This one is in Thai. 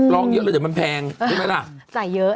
ร้องเยอะแล้วจะมันแพงรู้ไหมล่ะ